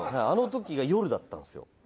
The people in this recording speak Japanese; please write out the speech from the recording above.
あの時が夜だったんですよ